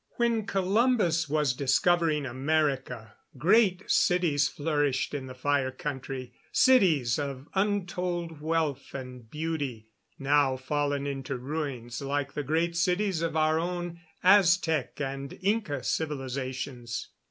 When Columbus was discovering America great cities flourished in the Fire Country cities of untold wealth and beauty, now fallen into ruins like the great cities of our own Aztec and Inca civilizations.